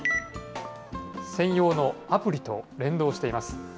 専用のアプリと連動しています。